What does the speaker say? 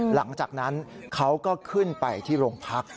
หลังจากนั้นเขาก็ขึ้นไปที่โรงพัก